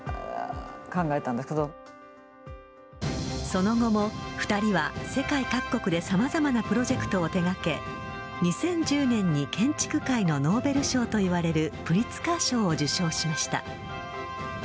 その後も２人は世界各国で様々なプロジェクトを手掛け２０１０年に建築界のノーベル賞といわれるプリツカー賞を受賞しました。